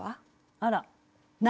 あら何？